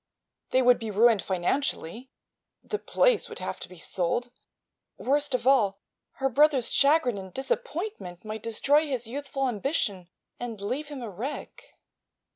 They would be ruined financially; the place would have to be sold; worst of all, her brother's chagrin and disappointment might destroy his youthful ambition and leave him a wreck.